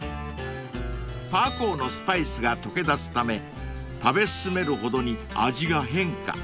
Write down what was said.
［パーコーのスパイスが溶け出すため食べ進めるほどに味が変化。